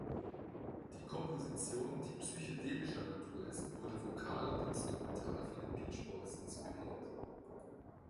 Die Komposition, die psychedelischer Natur ist, wurde vokal und instrumental von den Beach Boys inspiriert.